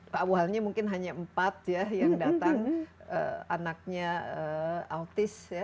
pak awalnya mungkin hanya empat ya yang datang anaknya autis ya